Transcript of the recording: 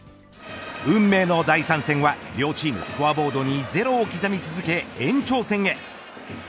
運命の第３戦は、両チームスコアボードに０を刻み続け延長戦へ。